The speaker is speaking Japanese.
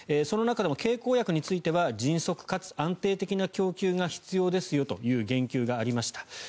その中でも経口薬については迅速かつ安定的な供給が必要ですよという言及がありました。